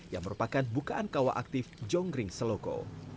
yang merupakan bukaan kawah aktif jonggring seloko